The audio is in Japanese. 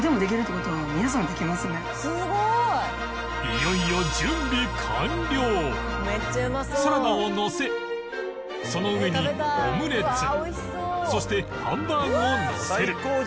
いよいよサラダをのせその上にオムレツそしてハンバーグをのせる